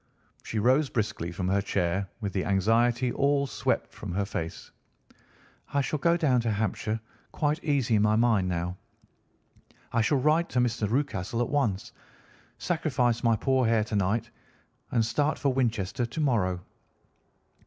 She rose briskly from her chair with the anxiety all swept from her face. "I shall go down to Hampshire quite easy in my mind now. I shall write to Mr. Rucastle at once, sacrifice my poor hair to night, and start for Winchester to morrow."